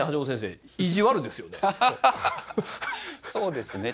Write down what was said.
そうですね